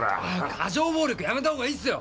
過剰暴力やめた方がいいっすよ。